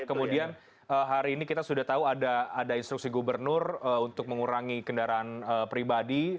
kemudian hari ini kita sudah tahu ada instruksi gubernur untuk mengurangi kendaraan pribadi